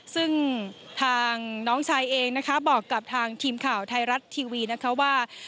ซึ่งทางน้องชายเองนะคะบอกกับทางทีมข่าวไทยรัฐทีวีนะคะว่า